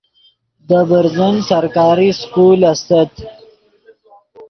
دے برزن سرکاری سکول استت